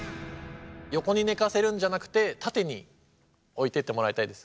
横に寝かせるんじゃなくて縦に置いてってもらいたいです。